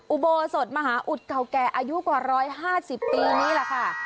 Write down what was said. อุโบสถมหาอุดเก่าแก่อายุกว่า๑๕๐ปีนี่แหละค่ะ